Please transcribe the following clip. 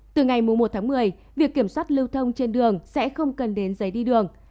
từ ngày một tháng một mươi việc kiểm soát lưu thông trên đường sẽ không cần đến giấy đi đường